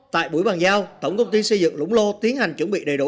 tại buổi bàn giao tổng công ty xây dựng lũng lô tiến hành chuẩn bị đầy đủ